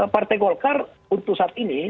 partai golkar untuk saat ini